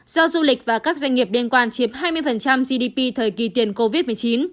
do du lịch và các doanh nghiệp liên quan chiếm hai mươi gdp thời kỳ tiền covid một mươi chín